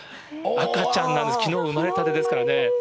赤ちゃんなんです、きのう生まれたてですからね。